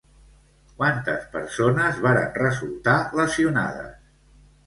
Quantes persones varen resultar lesionades?